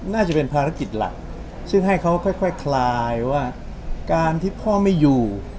น่าจะเป็นภารกิจหลักซึ่งให้เขาค่อยคลายว่าการที่พ่อไม่อยู่